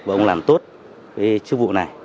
và ông làm tốt cái chức vụ này